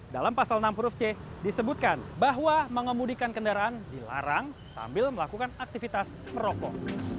dalam pasal enam huruf c disebutkan bahwa mengemudikan kendaraan dilarang sambil melakukan aktivitas merokok